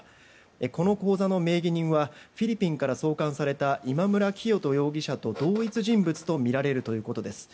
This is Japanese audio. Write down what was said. この口座の名義人はフィリピンから送還された今村磨人容疑者と同一人物とみられるということです。